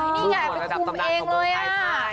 นี่ไงไปคุมเองเลยอ่ะ